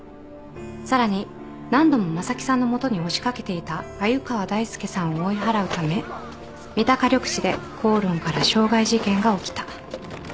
さらに何度も正木さんの元に押し掛けていた鮎川大介さんを追い払うため三鷹緑地で口論から傷害事件が起きた。